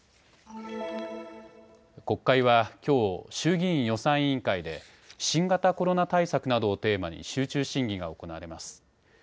国会はきょう、衆議院予算委員会で新型コロナ対策などをテーマに集中審議が行われます。